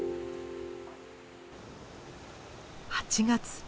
８月。